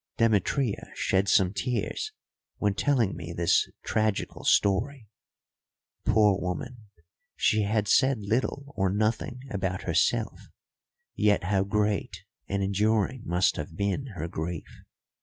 Demetria shed some tears when telling me this tragical story. Poor woman, she had said little or nothing about herself, yet how great and enduring must have been her grief.